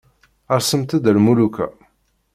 Rsemt-d a lmuluka.